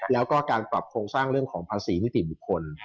แล้วก็การปรับโครงสร้างเรื่องของภาษีนิติบุคคล